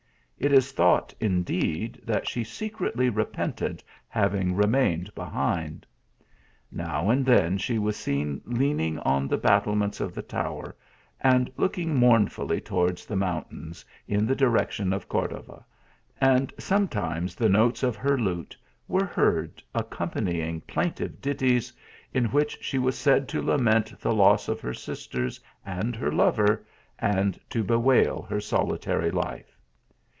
It is thought, indeed, that she secretly repented having remained behind. Now and then she was seen leaning on the battlements of the tower and looking mournfully towards the mountains, in the direction of Cordova; and some times the notes of her lute were heard accompanying plaintive ditties, in which she was said to lament 156 THE ALffAMBSA. the loss of her sisters and her lover, and to bewail her solitary life.